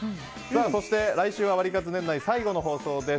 そして、来週はワリカツ年内最後の放送です。